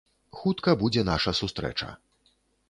Хутка будзе наша сустрэча.